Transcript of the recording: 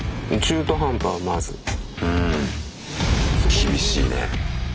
厳しいね。